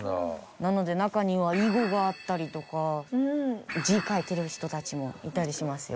なので中には囲碁があったりとか字書いてる人たちもいたりしますよ。